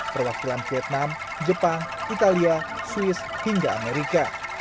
perwakilan vietnam jepang italia swiss hingga amerika